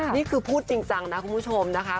นี่คือพูดจริงจังนะคุณผู้ชมนะคะ